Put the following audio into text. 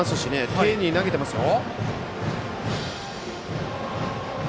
丁寧に投げていますよ。